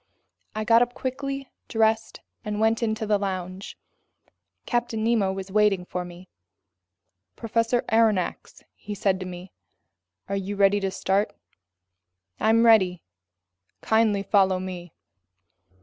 I got up quickly, dressed, and went into the lounge. Captain Nemo was waiting for me. "Professor Aronnax," he said to me, "are you ready to start?" "I'm ready." "Kindly follow me."